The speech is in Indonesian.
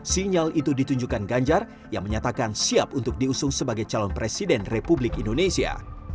sinyal itu ditunjukkan ganjar yang menyatakan siap untuk diusung sebagai calon presiden republik indonesia